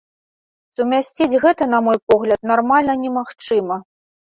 Сумясціць гэта, на мой погляд, нармальна немагчыма.